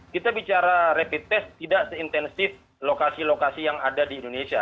kita bicara rapid test tidak seintensif lokasi lokasi yang ada di indonesia